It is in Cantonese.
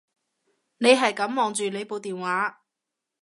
你係噉望住你部電話